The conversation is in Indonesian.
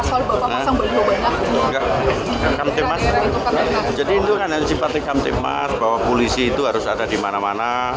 masang beli banyak jadi itu kan yang simpatikam timas bahwa polisi itu harus ada di mana mana